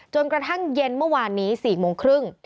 จนกระทั่งเย็นเมื่อวานนี้๔โมงครึ่ง